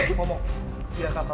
ngomong biar kakak lu tau